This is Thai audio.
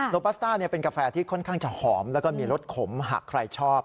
ปัสต้าเป็นกาแฟที่ค่อนข้างจะหอมแล้วก็มีรสขมหากใครชอบ